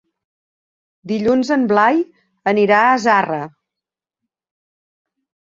Dilluns en Blai anirà a Zarra.